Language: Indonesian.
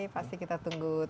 pasti kita tunggu